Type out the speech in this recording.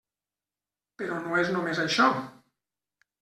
Però no és només això.